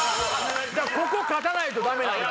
ここ勝たないとダメなんや。